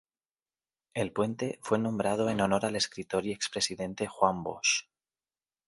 El puente fue nombrado en honor al escritor y expresidente Juan Bosch.